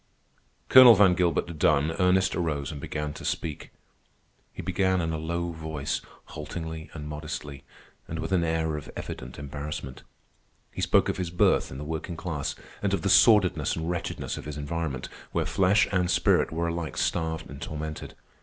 Colonel Van Gilbert done, Ernest arose and began to speak. He began in a low voice, haltingly and modestly, and with an air of evident embarrassment. He spoke of his birth in the working class, and of the sordidness and wretchedness of his environment, where flesh and spirit were alike starved and tormented.